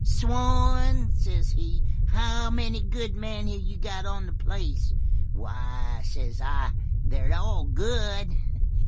"'Swann,' says he, 'how many good men have you got on the place?' "'Why,' says I, 'they're all good!'